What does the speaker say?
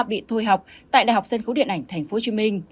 bị thôi học tại đại học sân khấu điện ảnh tp hcm